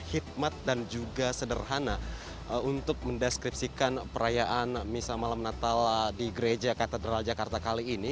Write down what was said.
hikmat dan juga sederhana untuk mendeskripsikan perayaan misa malam natal di gereja katedral jakarta kali ini